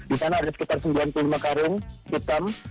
di sana ada sekitar sembilan puluh lima karung hitam